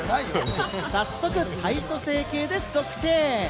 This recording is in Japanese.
早速、体組成計で測定。